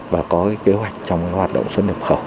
và có kế hoạch trong hoạt động xuất nhập khẩu